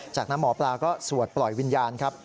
จากนั้นหมอปลาก็สวดปล่อยวิญญาณครับ